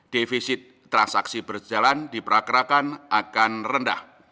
defisit transaksi berjalan di perakirakan akan rendah